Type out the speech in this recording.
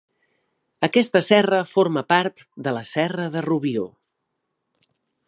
Aquesta serra forma part de la Serra de Rubió.